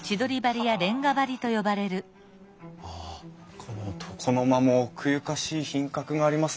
この床の間も奥ゆかしい品格がありますね。